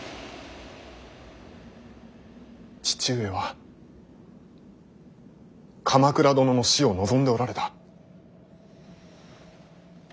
父上は鎌倉殿の死を望んでおられた。